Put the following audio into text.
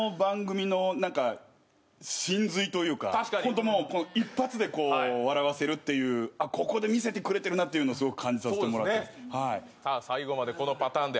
確かにホントもう一発でこう笑わせるっていうここで見せてくれてるなっていうのすごく感じさせてもらってますそうですね